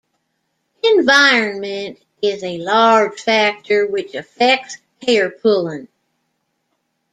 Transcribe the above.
Environment is a large factor which affects hair pulling.